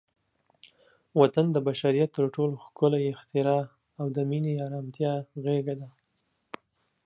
وطن د بشریت تر ټولو ښکلی اختراع او د مینې، ارامتیا غېږه ده.